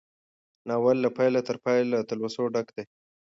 ناول له پيله تر پايه له تلوسې ډک دی.